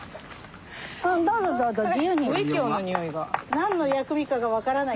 何の薬味かが分からない。